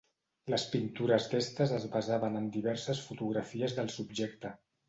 Les pintures d'Estes es basaven en diverses fotografies del subjecte.